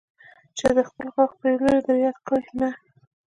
چې خپل د غاښ پرېولل در یاد کړي، نه.